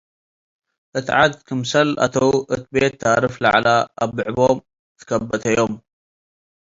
እት ዐድ ክምሰል አተው፣ እት ቤት ታርፍ ለዐለ አብዕቦም ትከበ'ተዮም።